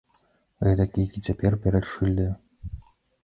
Гэтак, як і цяпер перад шыльдаю.